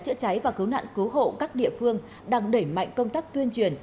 chữa cháy và cứu nạn cứu hộ các địa phương đang đẩy mạnh công tác tuyên truyền